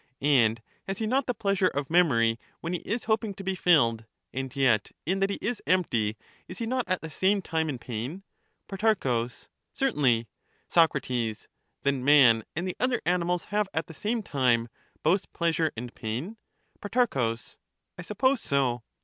And has he not the pleasure of memory when he is hoping to be filled, and yet in that he is empty is he not at the same time in pain ? Pro. Certainly. Soc. Then man and the other animals have at the same time both pleasure and pain ? Pro. I suppose so.